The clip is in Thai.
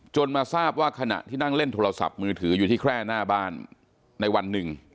มาทราบว่าขณะที่นั่งเล่นโทรศัพท์มือถืออยู่ที่แคร่หน้าบ้านในวันหนึ่ง